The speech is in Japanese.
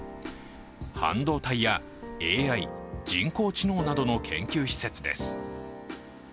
半導体やＡＩ＝人工知能などの研究施設です。